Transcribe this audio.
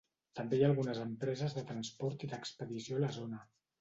També hi ha algunes empreses de transport i d'expedició a la zona.